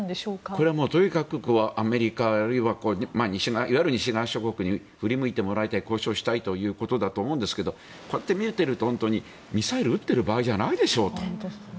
これはとにかくアメリカあるいはいわゆる西側諸国に振り向いてもらいたい交渉したいということだと思いますがこうやって見ているとミサイルを撃っている場合じゃないでしょうと。